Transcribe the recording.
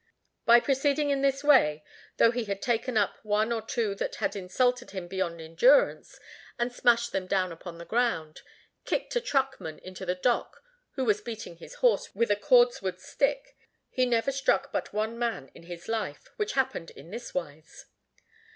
By proceeding in this way, though he had taken up one or two that had insulted him beyond endurance, and smashed them down upon the ground, kicked a truckman into the dock who was beating his horse with a cordwood stick, he never struck but one man in his life, which happened in this wise.